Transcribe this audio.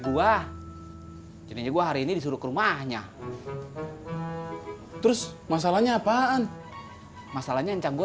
gue jadinya gua hari ini disuruh ke rumahnya terus masalahnya apaan masalahnya encah gue